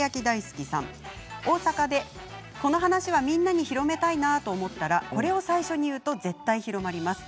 大阪でこの話はみんなに広めたいなと思ったら、これを最初に言うと絶対広まります。